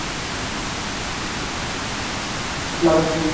Emiten chillidos y gruñidos cuando están asustados o mientras pelean.